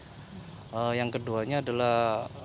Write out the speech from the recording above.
jadi yang keduanya adalah